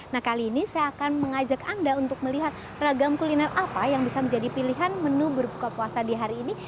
nah kali ini saya akan mengajak anda untuk melihat ragam kuliner apa yang bisa menjadi pilihan menu berbuka puasa di hari ini